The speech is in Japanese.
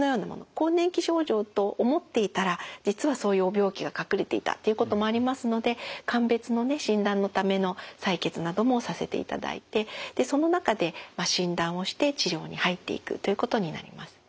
更年期症状と思っていたら実はそういう病気が隠れていたっていうこともありますので鑑別のね診断のための採血などもさせていただいてその中で診断をして治療に入っていくということになります。